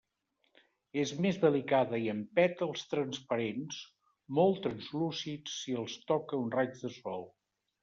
És més delicada i amb pètals transparents, molt translúcids si els toca un raig de sol.